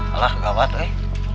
alah kagak banget eh